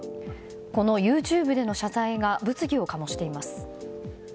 このＹｏｕＴｕｂｅでの謝罪が物議を醸しています。